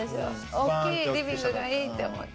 大きいリビングがいいって思って。